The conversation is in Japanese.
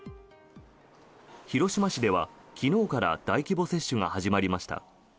広島市では昨日から大規模接種が始まりました。